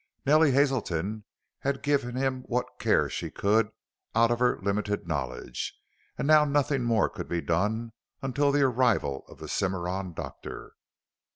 Nellie Hazelton had given him what care she could out of her limited knowledge and now nothing more could be done until the arrival of the Cimarron doctor.